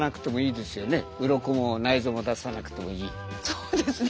そうですね。